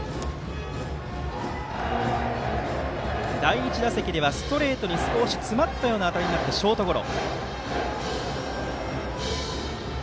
第１打席ではストレートに少し詰まった当たりになってショートゴロ。